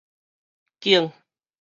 景